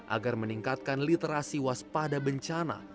agar meningkatkan literasi waspada bencana